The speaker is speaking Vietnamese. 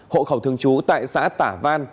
hộ khẩu thường trú tại xã tả văn